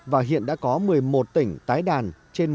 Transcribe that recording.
và hiện đã có một mươi một tỉnh tái đàn trên một trăm linh